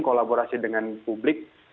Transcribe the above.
kolaborasi dengan publik